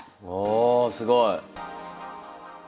あすごい。